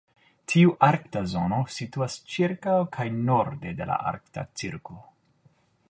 Tiu arkta zono situas ĉirkaŭ kaj norde de la Arkta Cirklo.